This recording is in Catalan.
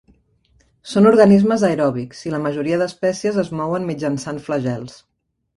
Són organismes aeròbics i la majoria d'espècies es mouen mitjançant flagels.